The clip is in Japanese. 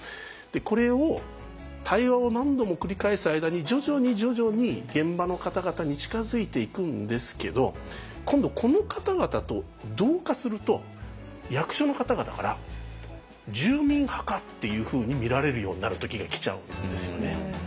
これを対話を何度も繰り返す間に徐々に徐々に現場の方々に近づいていくんですけど今度この方々と同化すると役所の方々から「住民派か」っていうふうに見られるようになる時が来ちゃうんですよね。